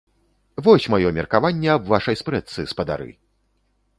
Вось маё меркаванне аб вашай спрэчцы, спадары!